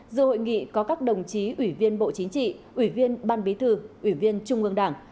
dự hội nghị có các đồng chí ủy viên bộ chính trị ủy viên ban bí thư ủy viên trung ương đảng